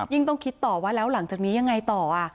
ยิ่งต้องคิดต่อว่าหลังจากนี้ยังไงต่อ